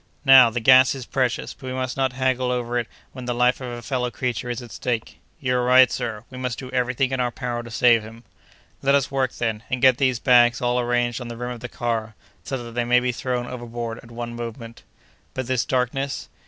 Now, the gas is precious; but we must not haggle over it when the life of a fellow creature is at stake." "You are right, sir; we must do every thing in our power to save him." "Let us work, then, and get these bags all arranged on the rim of the car, so that they may be thrown overboard at one movement." "But this darkness?"